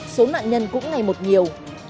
số nạn nhân cũng ngày một nhiều